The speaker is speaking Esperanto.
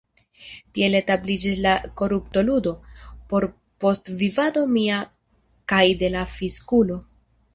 Tiel establiĝis la korupto-ludo, por postvivado mia kaj de la fiskulo!